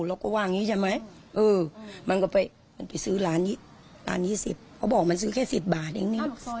เราก็ว่างั้นเลยมันไปซื้อร้านยี่สิบเขาบอกมันซื้อแค่สิดบาทเอง